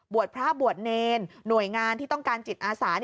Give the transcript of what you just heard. พระบวชเนรหน่วยงานที่ต้องการจิตอาสา